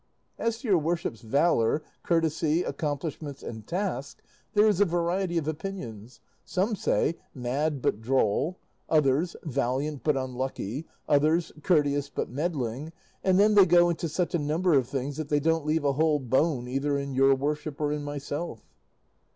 "As to your worship's valour, courtesy, accomplishments, and task, there is a variety of opinions. Some say, 'mad but droll;' others, 'valiant but unlucky;' others, 'courteous but meddling,' and then they go into such a number of things that they don't leave a whole bone either in your worship or in myself."